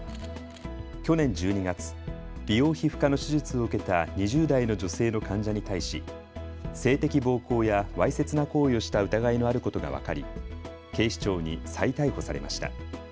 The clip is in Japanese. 去年１２月、美容皮膚科の手術を受けた２０代の女性の患者に対し性的暴行やわいせつな行為をした疑いのあることが分かり、警視庁に再逮捕されました。